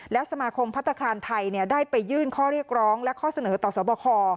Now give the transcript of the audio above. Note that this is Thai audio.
และสมาคมพัฒนาคารไทยได้ไปยื่นข้อเรียกร้องและข้อเสนอต่อสวบค